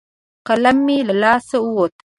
قلم مې له لاسه ووت.